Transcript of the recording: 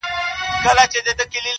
o د خره محبت يا گوز دئ، يا لغته٫